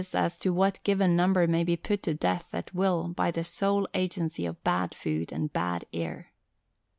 as to what given number may be put to death at will by the sole agency of bad food and bad air."